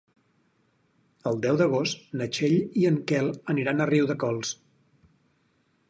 El deu d'agost na Txell i en Quel aniran a Riudecols.